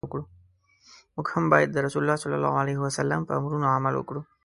موږ هم باید د رسول الله ص په امرونو عمل وکړو.